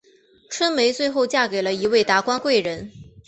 春梅最后嫁给了一名达官贵人。